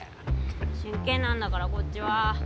しんけんなんだからこっちは。